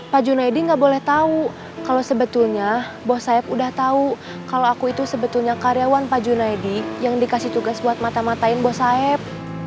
pak junaidi nggak boleh tahu kalau sebetulnya bos sayap udah tahu kalau aku itu sebetulnya karyawan pak junaidi yang dikasih tugas buat mata matain bos sayap